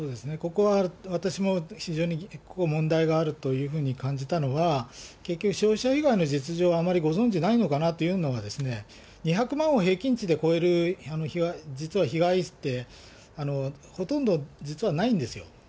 ここは私も非常にここ、問題があるというふうに感じたのは、結局、消費者被害の実情をあまりご存じないのかなというのはですね、２００万円を平均値で超える、実は被害って、ほとんど実はないんですよ。